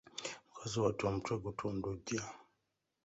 Mukazi wattu omutwe gutundujja.